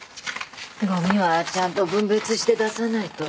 ごみはちゃんと分別して出さないと。